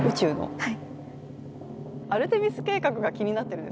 はい。